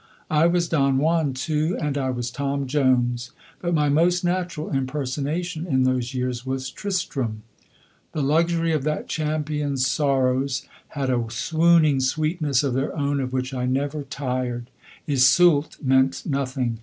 I was Don Juan too, and I was Tom Jones; but my most natural impersonation in those years was Tristram. The luxury of that champion's sorrows had a swooning sweetness of their own of which I never tired. Iseult meant nothing.